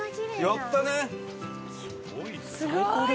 やったね！